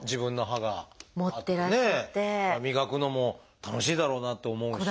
歯磨くのも楽しいだろうなって思うし。